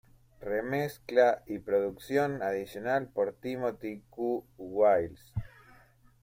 Remezcla y producción adicional por Timothy 'Q' Wiles.